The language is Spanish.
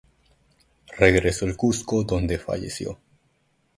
Regresó al Cuzco donde falleció.